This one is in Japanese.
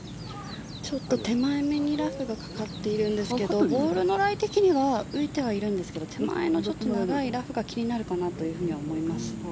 ちょっと手前めにラフがかかっているんですがボールのライ的には浮いてはいるんですけど手前の長いラフが気になるかなとは思います。